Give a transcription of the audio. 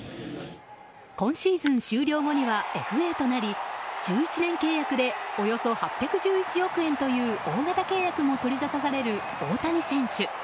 今シーズン終了後にはＦＡとなり１１年契約でおよそ８１１億円という大型契約も取りざたされる大谷選手。